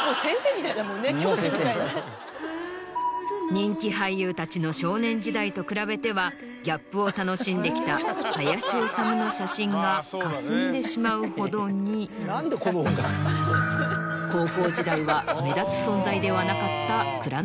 人気俳優たちの少年時代と比べてはギャップを楽しんできた林修の写真がかすんでしまうほどに高校時代は。